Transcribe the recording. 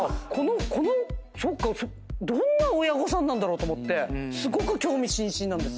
このどんな親御さんなんだろうと思ってすごく興味津々なんです。